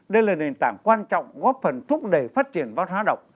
đây là nền tảng quan trọng góp phần thúc đẩy phát triển văn hóa đọc